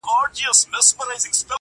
گمان نه کوم، چي دا وړۍ دي شړۍ سي.